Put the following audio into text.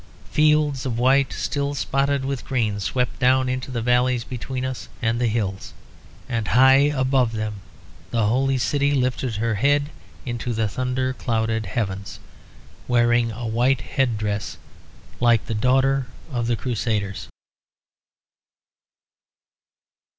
Fields of white still spotted with green swept down into the valleys between us and the hills; and high above them the Holy City lifted her head into the thunder clouded heavens, wearing a white head dress like a daughter of the Crusaders.